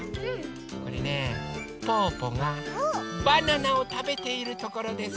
これねぽぅぽがバナナをたべているところです。